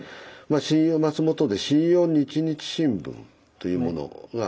松本で「信陽日日新聞」というものがあります。